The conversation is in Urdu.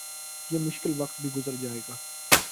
یہ مشکل وقت بھی گزر جائے گا